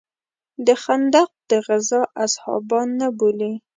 د خندق د غزا اصحابان نه بولې.